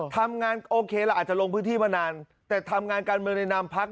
ทำงานโอเคละอาจจะลงพื้นที่มานานแต่ทำงานการบรินัมพลักษณ์